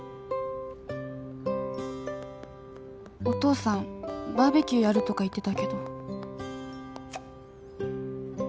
「お父さんバーベキューやるとか言ってたけど」